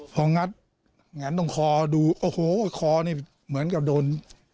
พองัดแงนตรงคอดูโอ้โหคอนี่เหมือนกับโดน